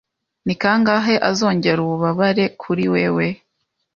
Ni kangahe azongera ububabare kuri wewe